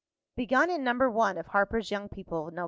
[Begun in No. 1 of HARPER'S YOUNG PEOPLE, Nov.